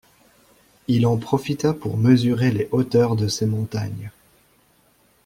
Il en profita pour mesurer les hauteurs de ces montagnes.